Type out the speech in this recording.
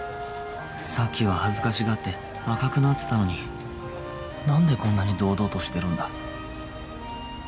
さっきは恥ずかしがって赤くなってたのになんでこんなに堂々としてるんだ